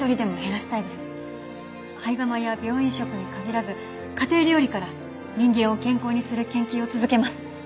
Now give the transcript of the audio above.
胚芽米や病院食に限らず家庭料理から人間を健康にする研究を続けます。